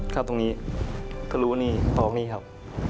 เข้าตรงนี้ก็รู้ว่านี่ต่อตรงนี้ครับ